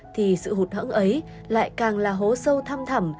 thì sự hụt hỡng ấy lại càng là hố sâu thăm thẳm